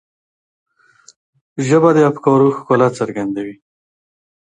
ژبه د افکارو ښکلا څرګندوي